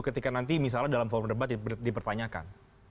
ketika nanti misalnya dalam forum debat dipertanyakan